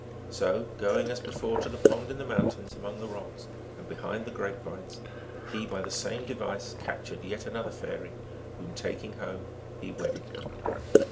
So going as before to the pond in the moun tains, among the rocks and behind the grapevines, he, by the same device, captured yet another fairy, whom, taking home, he wedded.